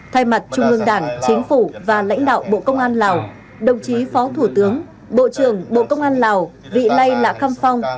thay mặt trung ương đảng chính phủ và lãnh đạo bộ công an lào đồng chí phó thủ tướng bộ trưởng bộ công an lào vị nay lạ khăm phong